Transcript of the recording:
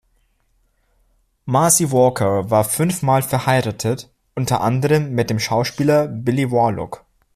Marcy Walker war fünfmal verheiratet, unter anderem mit dem Schauspieler Billy Warlock.